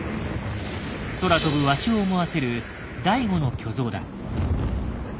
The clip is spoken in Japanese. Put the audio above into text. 空飛ぶ鷲を思わせる第５の巨像だ。